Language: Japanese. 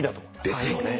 ですよね。